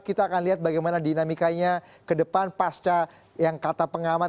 kita akan lihat bagaimana dinamikanya ke depan pasca yang kata pengamat